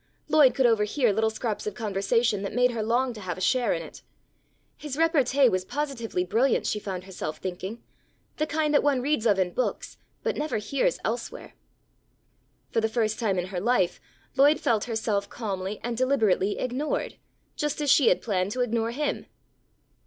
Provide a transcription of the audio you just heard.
Lloyd could overhear little scraps of conversation that made her long to have a share in it. His repartee was positively brilliant she found herself thinking; the kind that one reads of in books, but never hears elsewhere. For the first time in her life Lloyd felt herself calmly and deliberately ignored, just as she had planned to ignore him.